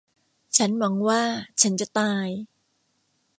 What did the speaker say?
ฉันหวังว่าฉันจะตาย